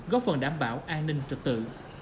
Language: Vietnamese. góp phần đảm bảo an ninh trật tự